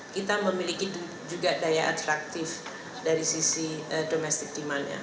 kita memiliki juga daya atraktif dari sisi domestic demandnya